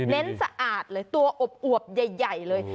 เน้นสะอาดเลยตัวอบใหญ่เลย